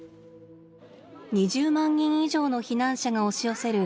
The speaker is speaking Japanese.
２０万人以上の避難者が押し寄せる